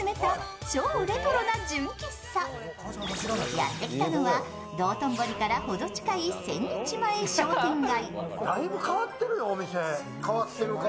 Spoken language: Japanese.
やってきたのは、道頓堀から程近い千日前商店街。